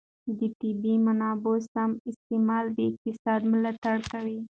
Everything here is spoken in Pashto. د طبیعي منابعو سم استعمال د اقتصاد ملاتړ کوي.